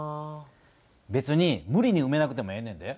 別に無理にうめなくてもええねんで。